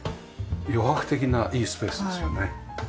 余白的ないいスペースですよね。